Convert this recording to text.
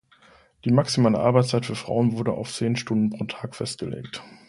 Die maximale Arbeitszeit für Frauen wurde auf zehn Stunden pro Tag festgelegt.